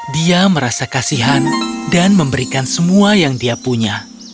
dia merasa kasihan dan memberikan semua yang dia punya